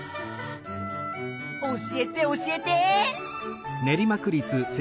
教えて教えて！